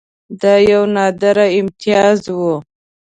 دا یو نادر امتیاز وو.